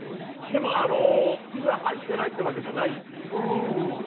火が入ってないってわけじゃないんです。